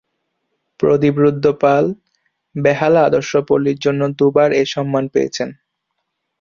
প্রদীপ রুদ্র পাল "বেহালা আদর্শপল্লী"র জন্য দুবার এই সম্মান পেয়েছেন।